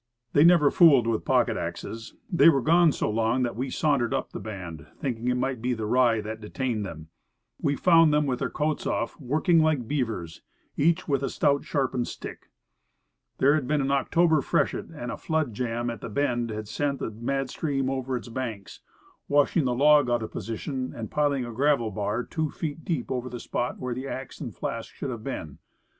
They never fooled with pocket axes. They were gone so long that we sauntered up the bank, thinking it might be the rye that detained them. We found them with their coats off, working like beavers, each with a stout, sharpened stick. There had been an October freshet, and a flood jam at the bend had sent the mad stream over its banks, washing the log out of position and piling a gravel bar two feet deep over the spot where the axe and flask should have been.